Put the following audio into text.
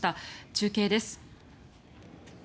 中継です。